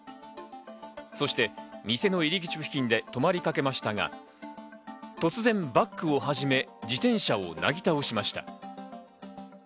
そして店の入り口付近で止まりかけましたが、突然バックをはじめ、自転車をなぎ倒しました。